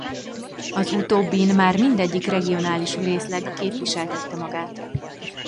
Az utóbbin már mindegyik regionális részleg képviseltette magát.